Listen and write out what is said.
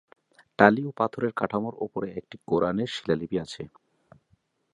টালি ও পাথরের কাঠামোর উপরে একটি কুরআনের শিলালিপি আছে।